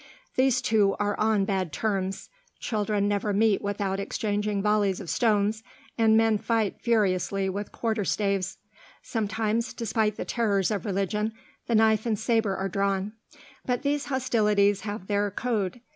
These two are on bad terms; children never meet without exchanging volleys of stones, and men fight furiously with quarter staves. Sometimes, despite the terrors of religion, the knife and sabre are drawn. But these hostilities have their code.